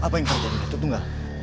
apa yang kau inginkan datuk dunga